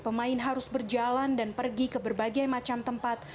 pemain harus berjalan dan pergi ke berbagai macam tempat